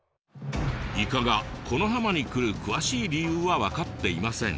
イカがこの浜に来る詳しい理由は分かっていません。